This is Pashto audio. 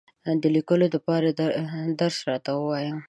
د لیکلو دپاره درس راته ووایه !